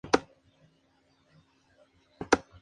Esta rana habita en Tailandia, Malasia e Indonesia.